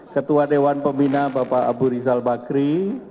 ketua dewan pembina bapak abu rizal bakri